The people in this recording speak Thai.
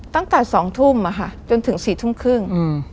ตั้งแต่๒ทุ่มจนถึง๔ทุ่มครึ่ง